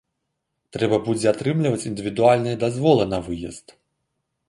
Трэба будзе атрымліваць індывідуальныя дазволы на выезд.